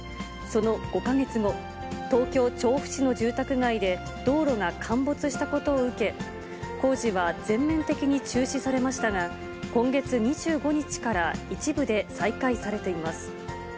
その５か月後、東京・調布市の住宅街で道路が陥没したことを受け、工事は全面的に中止されましたが、今月２５日から一部で再開されています。